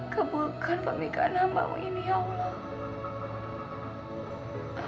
kebulkan pemikiran hambamu ini ya allah